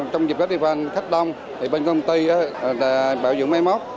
trong dịp các điện thoại khách đông bên công ty đã bảo dụng máy móc